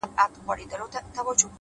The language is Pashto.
علم د پوهې دروازې پرانیزي،